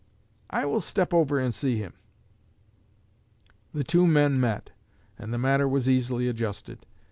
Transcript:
I will step over and see him.'" The two men met, and the matter was easily adjusted.